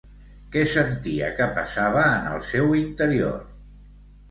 Què sentia que passava en el seu interior?